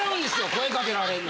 声かけられるの。